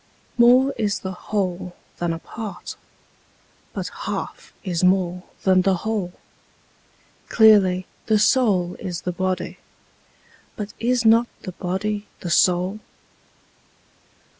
More is the whole than a part: but half is more than the whole: Clearly, the soul is the body: but is not the body the soul?